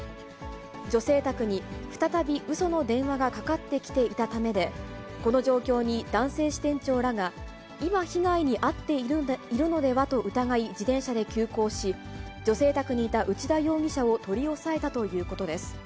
女性宅に再びうその電話がかかってきていたためで、この状況に男性支店長らが、今被害に遭っているのではと疑い、自転車で急行し、女性宅にいた内田容疑者を取り押さえたということです。